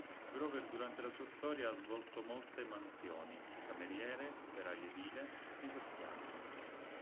Grover, durante la sua storia, ha svolto molte mansioni: cameriere, operaio edile, negoziante.